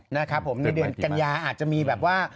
ในเดือนกัญญาอาจจะมีแบบว่า